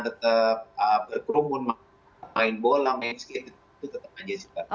tetap berkumpul main bola main skill itu tetap aja sih